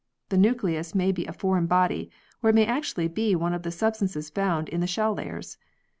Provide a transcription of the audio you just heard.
The nucleus may be a foreign body or it may actually be one of the substances found in the shell layers.